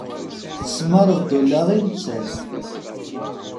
Tesmar-d ula i nettat.